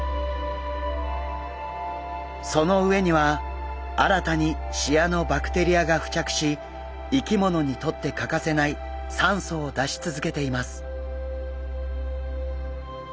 その上には新たにシアノバクテリアが付着し生き物にとって欠かせない酸素を出し続けています。